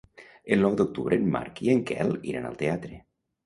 El nou d'octubre en Marc i en Quel iran al teatre.